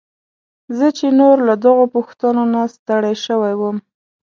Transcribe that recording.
زه چې نور له دغو پوښتنو نه ستړی شوی وم.